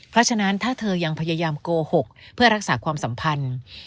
เพราะฉะนั้นถ้าเธอยังพยายามโกหกเพื่อรักษาความสัมพันธ์